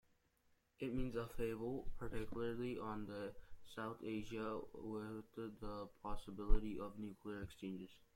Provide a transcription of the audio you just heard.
It means upheaval, particularly on the South Asia, with the possibility of nuclear exchanges.